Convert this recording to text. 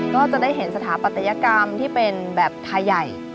ก็จะได้เห็นสถาปัตยกรรมที่เป็นแบบไทยใหญ่